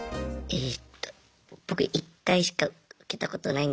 えと僕１回しか受けたことないんですけど。